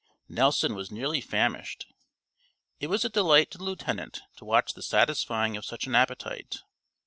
Nelson was nearly famished; it was a delight to the lieutenant to watch the satisfying of such an appetite.